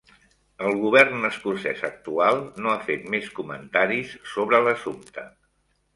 El Govern escocès actual no ha fet més comentaris sobre l'assumpte.